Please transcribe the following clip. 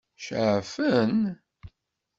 Ceɛfen?